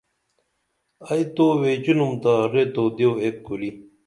ائی تو ویچِنُم تا ریت او دیو ایک کُری